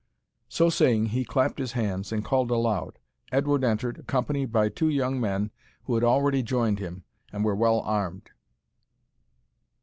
So saying, he clapped his hands, and called aloud. Edward entered, accompanied by two young men who had already joined him, and were well armed.